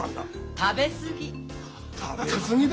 食べ過ぎだ？